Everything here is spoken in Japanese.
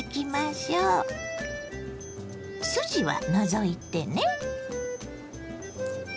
筋は除いてね。